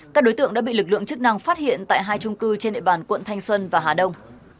các đối tượng đã bị lực lượng chức năng phát hiện tại hai trung cư trên địa bàn quận thanh xuân và hà đông